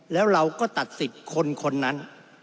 แล้วเราก็ตัดสิทธิ์คนนั้น